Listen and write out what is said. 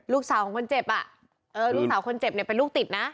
ลูกสาวของคนเจ็บอ่ะเออลูกสาวคนเจ็บเนี่ยเป็นลูกติดนะ